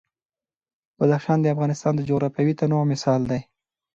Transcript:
بدخشان د افغانستان د جغرافیوي تنوع مثال دی.